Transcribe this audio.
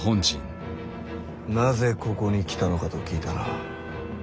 なぜここに来たのかと聞いたな。